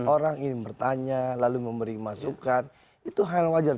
orang ingin bertanya lalu memberi masukan itu hal wajar